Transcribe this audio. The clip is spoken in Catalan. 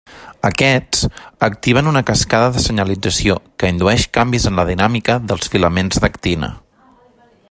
Aquests, activen una cascada de senyalització que indueix canvis en la dinàmica dels filaments d'actina.